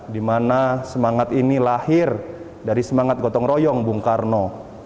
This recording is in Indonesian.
dimana semangat ini lahir dari semangat gotong royong bung karno